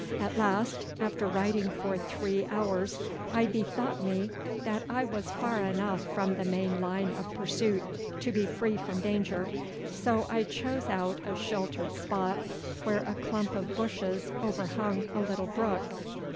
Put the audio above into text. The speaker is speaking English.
At last, after riding for three hours, I bethought me that I was far enough from the main line of pursuit to be free from danger, so I chose out a sheltered spot where a clump of bushes overhung a little brook.